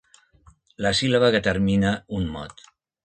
La síl·laba que termina un mot.